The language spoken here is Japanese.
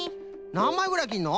なんまいぐらいきるの？